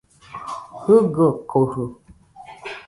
Jɨgɨkojɨ